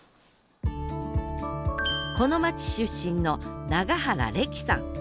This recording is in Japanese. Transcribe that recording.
この町出身の永原レキさん。